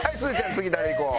次誰いこう？